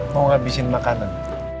mau habisin makanan